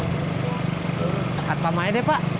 katpam aja deh pak